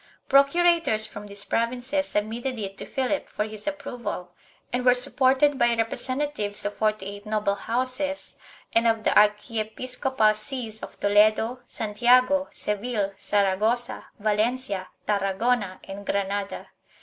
Procurators from these provinces submitted it to Philip for his approval and were supported by representatives of forty eight noble houses and of the archiepiscopal sees of Toledo, Santiago, Seville, Saragossa, Valencia, Tarragona and Granada.